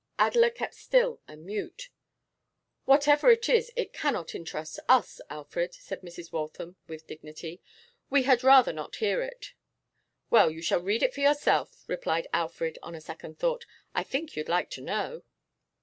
Adela kept still and mute. 'Whatever it is, it cannot interest us, Alfred,' said Mrs. Waltham, with dignity. 'We had rather not hear it.' 'Well, you shall read it for yourself,' replied Alfred on a second thought. 'I think you'd like to know.